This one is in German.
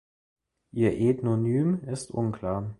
Ihr Ethnonym ist unklar.